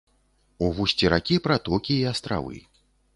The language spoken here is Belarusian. У вусці ракі пратокі і астравы.